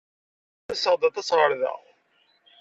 Ttaseɣ-d aṭas ɣer da.